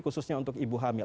khususnya untuk ibu hamil